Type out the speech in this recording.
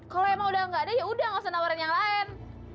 kalau emang udah gak ada ya udah gak usah nawarin yang lain